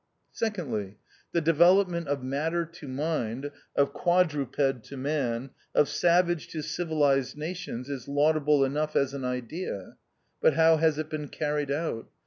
Secondly, the development of matter to mind, of quadruped to man, of savage to civilized nations, is laudable enough as an idea ; but how has it been carried out